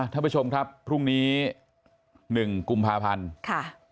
ท่านผู้ชมครับพรุ่งนี้๑กุมภาพันธ์ค่ะ